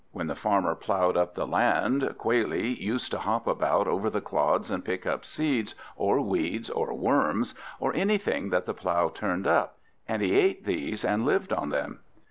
When the farmer ploughed up the land, Quailie used to hop about over the clods and pick up seeds, or weeds, or worms, or anything that the plough turned up, and he ate these and lived on them.